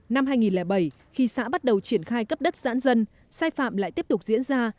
năm hai nghìn bảy khi xã bắt đầu triển khai cấp đất giãn dân sai phạm lại tiếp tục diễn ra